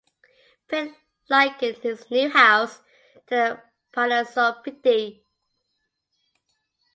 Pitt likened his new house to the Palazzo Pitti.